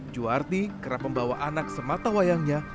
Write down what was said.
juarti kerap membawa anak semata wayangnya